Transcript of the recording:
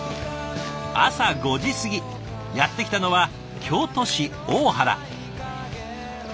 朝５時過ぎやって来たのは京都市大原。